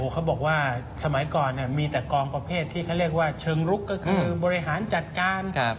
เขาบอกว่าสมัยก่อนมีแต่กองประเภทที่เขาเรียกว่าเชิงลุกก็คือบริหารจัดการ